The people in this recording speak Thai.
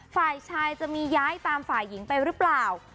ฝ่ายชายจะมีย้ายตามฝ่ายหญิงไปหรือเปล่า